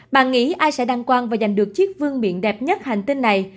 bạn nghĩ ai sẽ đăng quan và giành được chiếc vương miệng đẹp nhất hành tinh này